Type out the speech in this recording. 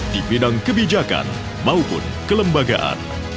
di bidang kebijakan maupun kelembagaan